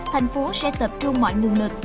thành phố sẽ tập trung mọi nguồn lực